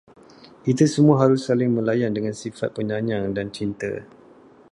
Kita semua harus saling melayan dengan sifat penyayang dan cinta